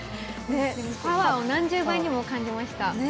パワーを何十倍にも感じました。